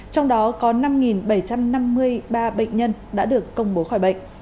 trong đó có năm bảy trăm năm mươi ba bệnh nhân đã được công bố khỏi bệnh